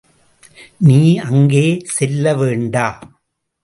நீ அங்கே செல்ல வேண்டா.